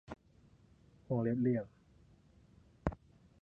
วงเล็บเหลี่ยม